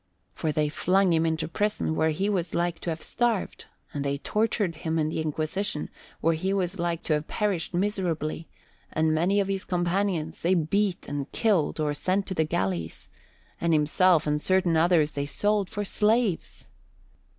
For they flung him into prison where he was like to have starved; and they tortured him in the Inquisition where he was like to have perished miserably; and many of his companions they beat and killed or sent to the galleys; and himself and certain others they sold for slaves.